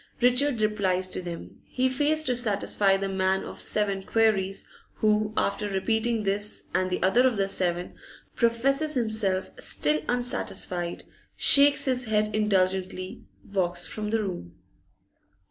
Richard replies to them. He fails to satisfy the man of seven queries, who, after repeating this and the other of the seven, professes himself still unsatisfied, shakes his head indulgently, walks from the room.